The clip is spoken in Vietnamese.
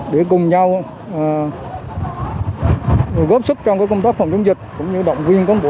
để cùng nhau góp sức trong công tác phòng chống dịch